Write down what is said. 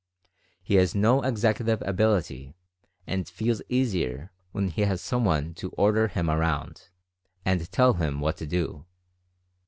He has no executive ability, and feels easier when he has someone to "order him around," and to tell him what to do.